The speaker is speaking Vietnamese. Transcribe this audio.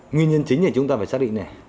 nguyên nhân chính là chúng ta phải xác định này